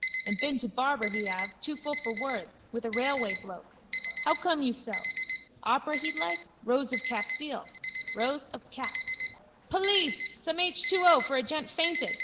And been to barber he have. Too full for words. With a railway bloke. How come you so? Opera he'd like? Rose of Castile. Rows of cast. Police! Some H2O for a gent fainted.